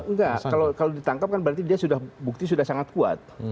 enggak kalau ditangkap kan berarti dia sudah bukti sudah sangat kuat